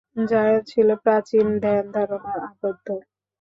জায়ন ছিল প্রাচীন ধ্যানধারণায় আবদ্ধ!